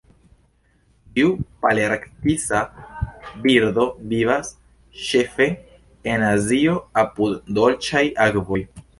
Tiu palearktisa birdo vivas ĉefe en Azio apud dolĉaj akvoj.